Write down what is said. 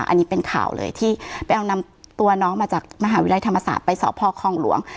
อันนี้เป็นข่าวเลยที่ไปเอานำตัวน้องมาจากมหาวิทยาลัยธรรมศาสตร์ไปสอบพ่อคลองหลวง